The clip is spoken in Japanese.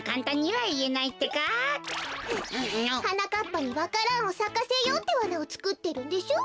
はなかっぱにわか蘭をさかせようってわなをつくってるんでしょう。